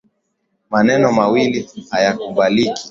Maneno mawili hayakubaliki.